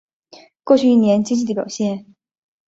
过去一年经济的表现